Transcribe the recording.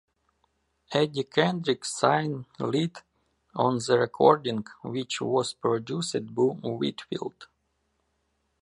Eddie Kendricks sings lead on the recording, which was produced by Whitfield.